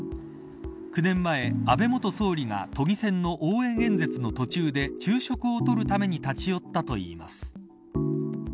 ９年前、安倍元総理が都議選の応援演説の途中で昼食を取るために立ち寄ったといいます。